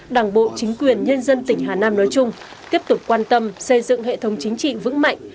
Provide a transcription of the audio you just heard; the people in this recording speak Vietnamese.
đảng bộ chính quyền nhân dân tỉnh hà nam nói chung tiếp tục quan tâm xây dựng hệ thống chính trị vững mạnh